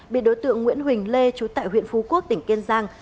bị đối tượng nguyễn huỳnh lê trú tại huyện phú quốc tỉnh kiên giang